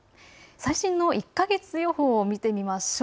最新の１か月予報を見てみましょう。